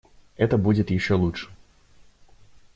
Это будет еще лучше.